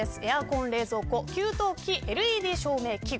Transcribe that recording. エアコン、冷蔵庫、給湯器ＬＥＤ照明器具。